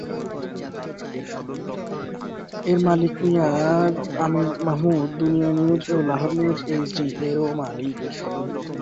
এর মালিক মিয়া আমির মাহমুদ, যিনি দুনিয়া নিউজ এবং লাহোর নিউজ এইচডি এরও মালিক।